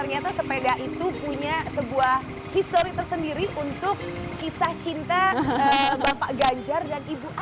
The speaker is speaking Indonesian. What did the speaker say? ternyata sepeda itu punya sebuah histori tersendiri untuk kisah cinta bapak ganjar dan ibu ani